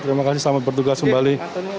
terima kasih selamat bertugas kembali